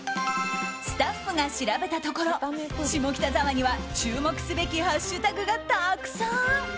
スタッフが調べたところ注目すべきハッシュタグがたくさん。